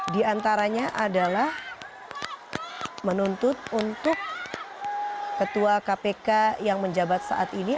di antaranya adalah menuntut untuk ketua kpk yang menjabat saat ini